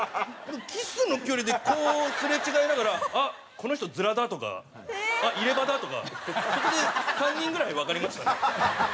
キスの距離でこうすれ違いながらあっこの人ヅラだとかあっ入れ歯だとかそこで３人ぐらいわかりましたね。